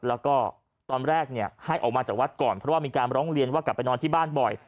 แล้วก็ตอนแรกให้ออกมาจากวัดก่อนเพราะว่ามีการร้องเรียนว่ากลับไปนอนที่บ้านบ่อย